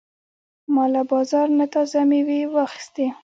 ما له بازار نه تازه مېوې واخیستې.